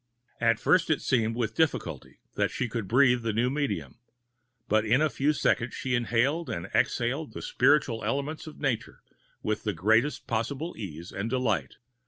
At first it seemed with difficulty that she could breathe the new medium; but in a few seconds she inhaled and exhaled the spiritual elements of nature with the greatest possible ease and delight.